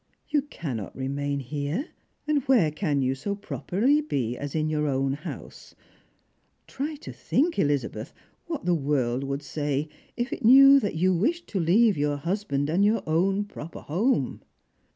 You cannot remain here ; and where can you so pro perly be as in your own house P Try to think, Elizabeth, what the world would say if it knew that you wished to leave your husband and your own proper home